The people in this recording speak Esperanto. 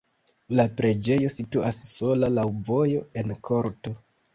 La preĝejo situas sola laŭ vojo en korto.